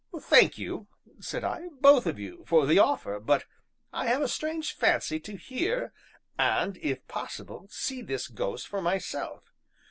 "Thank you," said I, "both of you, for the offer, but I have a strange fancy to hear, and, if possible, see this ghost for myself."